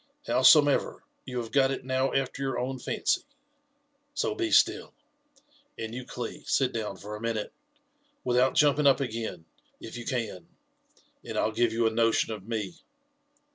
Howsomever, you have got it now after your own fancy ; so be still. And you Cli, sit down for a minute, without jumping up again, if you can, and I'll give you a notion of me.